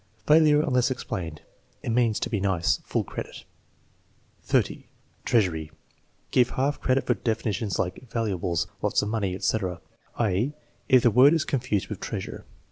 (Failure unless explained.) "It means to be nice." (Full credit.) 30. Treasury. Give half credit for definitions like "Valuables," "Lots of money," etc.; i.e., if the word is confused with treasure.